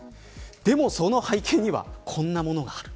でも、その背景にはこんなものがある。